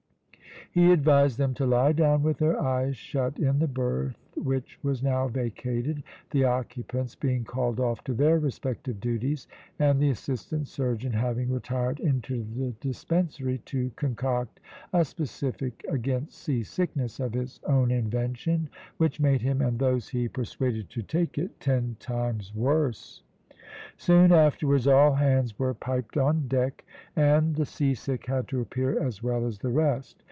He advised them to lie down with their eyes shut in the berth which was now vacated, the occupants being called off to their respective duties, and the assistant surgeon having retired into the dispensary to concoct a specific against sea sickness of his own invention, which made him and those he persuaded to take it ten times worse. Soon afterwards all hands were piped on deck, and the sea sick had to appear as well as the rest.